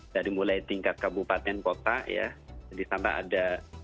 dari mulai tingkat kabupaten kota ya di sana ada